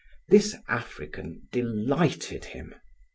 This African delighted him.